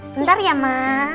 bentar ya ma